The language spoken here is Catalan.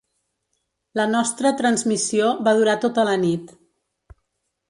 La nostra transmissió va durar tota la nit.